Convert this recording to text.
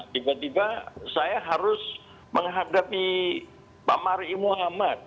tiba tiba saya harus menghadapi pak marie muhammad